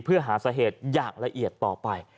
เพื่อหาสาเหตุอย่างละเอียดต่อไป